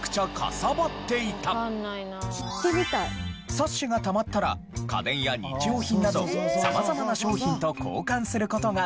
冊子がたまったら家電や日用品など様々な商品と交換する事ができました。